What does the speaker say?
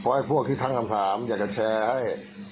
เพราะไอ้พวกที่ตั้งคำถามอยากจะแชร์ให้